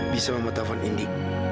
bisa mama telepon indi